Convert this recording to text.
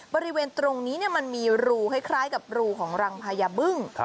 บริเวณตรงนี้มันมีรูคล้ายกับรูของรังพญาบึ้ง